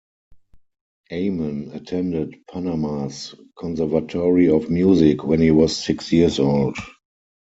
Amen attended Panama's Conservatory of Music when he was six years old.